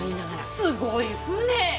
すごい船！